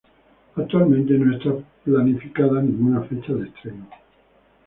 Actualmente no está planificada ninguna fecha de estreno.